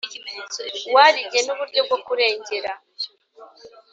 Wa rigena uburyo bwo kurengera